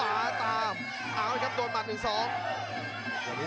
ประโยชน์ทอตอร์จานแสนชัยกับยานิลลาลีนี่ครับ